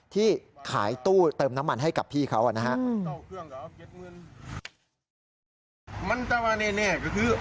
ที่ขายตู้เติมน้ำมันให้กับพี่เขานะครับ